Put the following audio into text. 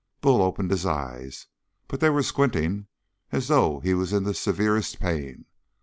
Bull opened his eyes, but they were squinting as though he was in the severest pain.